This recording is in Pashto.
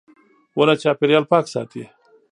• ونه چاپېریال پاک ساتي.